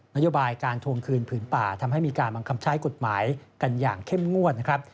นโยบายการทวงคืนผืนป่าทำให้มีการบังคับใช้กฎหมายกันอย่างเข้มงวดนะครับ